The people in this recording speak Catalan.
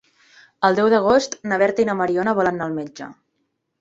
El deu d'agost na Berta i na Mariona volen anar al metge.